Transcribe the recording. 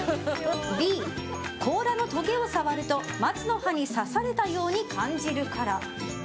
Ｂ、甲羅のとげを触ると松の葉に刺されたように感じるから。